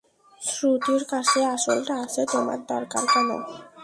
শ্রুতির কাছে আসলটা আছে, তোমার দরকার কেন?